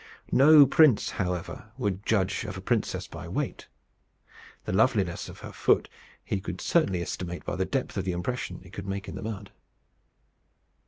No prince, however, would judge of a princess by weight. The loveliness of her foot he would hardly estimate by the depth of the impression it could make in the mud.